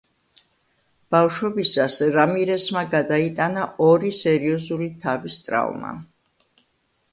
ბავშვობისას, რამირესმა გადაიტანა ორი სერიოზული თავის ტრავმა.